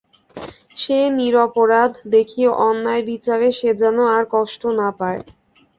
সে নিরপরাধ– দেখিয়ো অন্যায় বিচারে সে যেন আর কষ্ট না পায়।